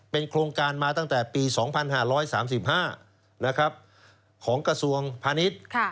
โครงการมาตั้งแต่ปี๒๕๓๕ของกระทรวงพาณิชย์